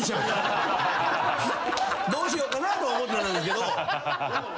どうしよっかなとは思ってたんですけど。